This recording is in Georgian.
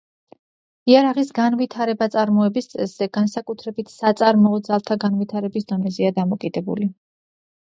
იარაღის განვითარება წარმოების წესზე, განსაკუთრებით საწარმოო ძალთა განვითარების დონეზეა დამოკიდებული.